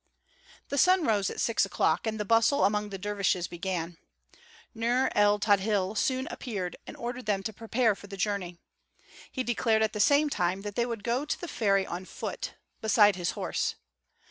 The sun rose at six o'clock, and the bustle among the dervishes began. Nur el Tadhil soon appeared and ordered them to prepare for the journey. He declared at the same time that they would go to the ferry on foot, beside his horse.